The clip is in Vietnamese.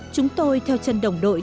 chúng tôi theo chân đồng đội